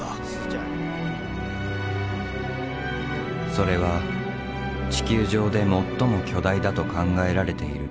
それは地球上で最も巨大だと考えられている洞窟。